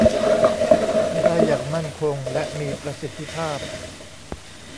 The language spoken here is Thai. ได้อย่างมั่นคงและมีประสิทธิภาพ